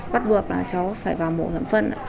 bắt buộc cháu phải vào mộ thẩm phân